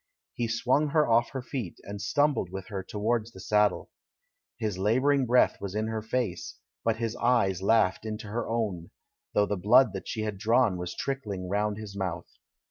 He swung her off her feet, and stumbled with her towards the saddle. His labouring breath was in her face, but his eyes laughed into her own, though the blood that she had drawn was trickling round his mouth.